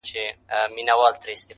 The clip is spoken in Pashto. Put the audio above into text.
o ستا دهر توري په لوستلو سره.